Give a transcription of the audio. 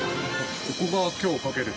ここが今日架ける？